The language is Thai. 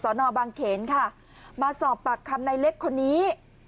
นบางเขนค่ะมาสอบปากคำในเล็กคนนี้